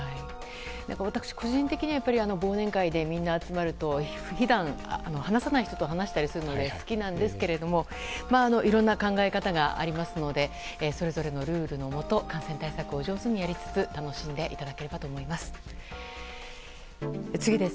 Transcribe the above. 私個人的には、忘年会でみんな集まると普段、話さない人と話したりするので好きなんですけどもいろんな考え方がありますのでそれぞれのルールのもと感染対策を上手にやりつつ楽しんでいただければと思います。